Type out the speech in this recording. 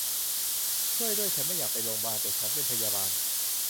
ช่วยด้วย ฉันไม่อยากไปโรงพยาบาล แต่ฉันเป็นพยาบาล